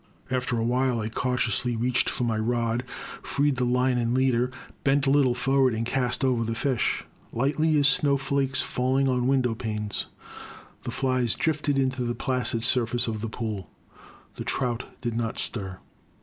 After a while I cautiously reached for my rod, freed the line and leader, bent a little forward, and cast over the fish. Lightly as snowflakes falling on window panes, the flies drifted onto the placid surface of the pool. The trout did not stir.